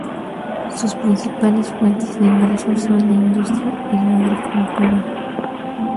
Sus principales fuentes de ingresos son la industria y la agricultura.